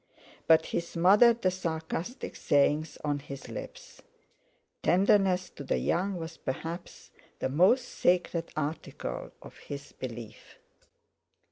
But he smothered the sarcastic sayings on his lips. Tenderness to the young was perhaps the most sacred article of his belief.